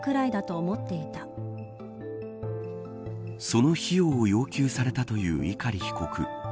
その費用を要求されたという碇被告。